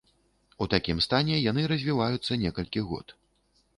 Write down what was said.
У такім стане яны развіваюцца некалькі год.